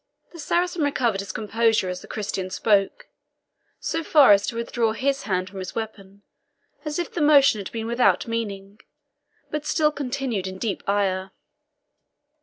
The Saracen recovered his composure as the Christian spoke, so far as to withdraw his hand from his weapon, as if the motion had been without meaning, but still continued in deep ire.